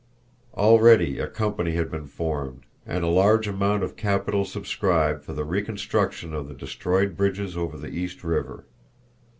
Already a company had been formed and a large amount of capital subscribed for the reconstruction of the destroyed bridges over the East River.